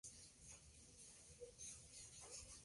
En aquel momento el avión de combate era el bombardero Stuka.